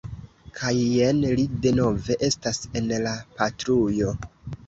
Kaj jen li denove estas en la patrujo.